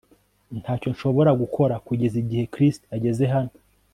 Ntacyo nshobora gukora kugeza igihe Chris ageze hano